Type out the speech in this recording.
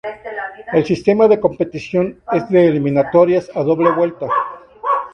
El sistema de competición es de eliminatorias a doble vuelta.